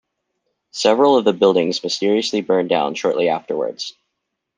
Several of the buildings mysteriously burned down shortly afterwards.